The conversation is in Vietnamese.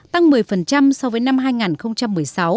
tăng một mươi so với năm hai nghìn một mươi sáu